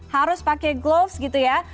harus pakai gloves gitu ya